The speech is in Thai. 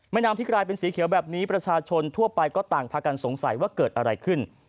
น้ำที่กลายเป็นสีเขียวแบบนี้ประชาชนทั่วไปก็ต่างพากันสงสัยว่าเกิดอะไรขึ้น